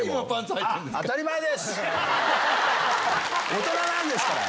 大人なんですから！